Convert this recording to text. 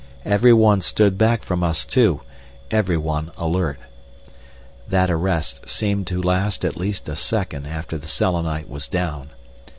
Every one stood back from us two, every one alert. That arrest seemed to last at least a second after the Selenite was down.